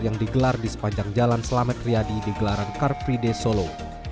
yang digelar di sepanjang jalan selamat riyadi di gelaran car free day solo